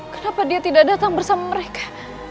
kenapa dia tidak datang bersama mereka